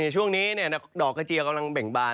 ช่วงนี้ดอกกระเจียวกำลังแบ่งบาน